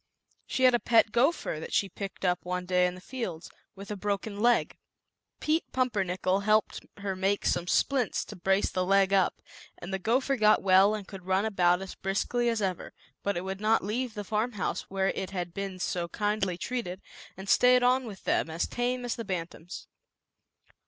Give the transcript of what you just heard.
>f " She had a pet gopher, that she picked one day in the fields, with a broken oy. ZAUBERLINDA, THE WISE WITCH. 31 leg; Pete Pumpernickel helped her make some splints to brace the leg up, and the gopher got well and could run about as briskly as ever; but it would not leave the farm house where it had been kindly treated, and stayed on with them, as tame as the bantams.